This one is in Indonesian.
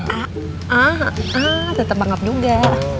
ah ah ah tetep bangap juga